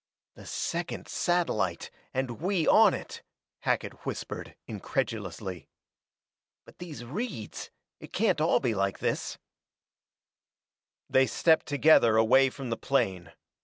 "The second satellite, and we on it!" Hackett whispered, incredulously. "But these reeds it can't all be like this " They stepped together away from the plane.